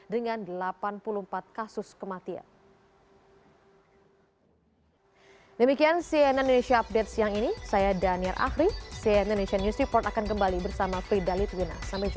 dengan delapan puluh empat kasus kematian